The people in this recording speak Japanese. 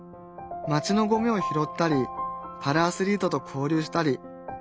街のゴミを拾ったりパラアスリートと交流したり。